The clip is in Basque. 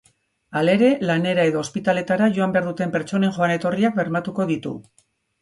Halere, lanera edo ospitaleetara joan behar duten pertsonen joan-etorriak bermatuko ditu.